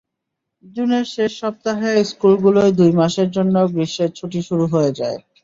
জুনের শেষ সপ্তাহে স্কুলগুলোয় দুই মাসের জন্য গ্রীষ্মের ছুটি শুরু হয়ে যায়।